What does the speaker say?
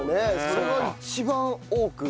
それが一番多く。